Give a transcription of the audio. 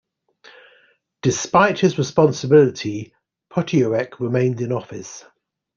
Despite his responsibility, Potiorek remained in office.